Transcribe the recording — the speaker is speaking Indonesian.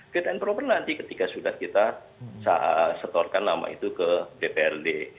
fit and proper nanti ketika sudah kita setorkan nama itu ke dprd